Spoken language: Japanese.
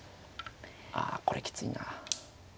あこれきついな。